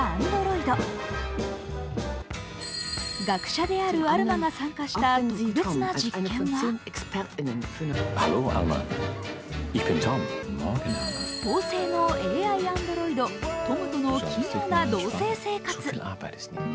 学者であるアルマが参加した特別な実験は高性能ＡＩアンドロイド・トムとの奇妙な同せい生活。